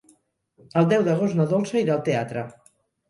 El deu d'agost na Dolça irà al teatre.